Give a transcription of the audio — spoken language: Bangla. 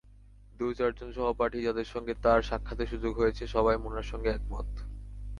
দু-চারজন সহপাঠী, যাদের সঙ্গে তার সাক্ষাতের সুযোগ হয়েছে, সবাই মুনার সঙ্গে একমত।